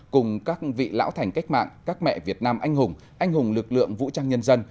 cùng các vị lão thành cách mạng các mẹ việt nam anh hùng anh hùng lực lượng vũ trang nhân dân